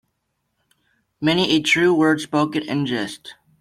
Many a true word spoken in jest.